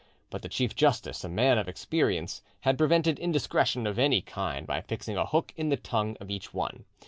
But the chief justice, a man of experience, had prevented indiscretion of any kind by fixing a hook in the tongue of each one.